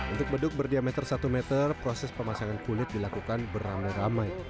untuk beduk berdiameter satu meter proses pemasangan kulit dilakukan beramai ramai